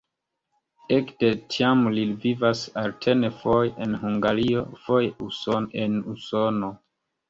Ekde tiam li vivas alterne foje en Hungario, foje en Usono.